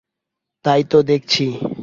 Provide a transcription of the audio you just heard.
তাই তো দেখছি।